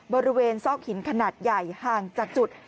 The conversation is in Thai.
บริเวณซอกหินขนาดใหญ่ห่างจากจุด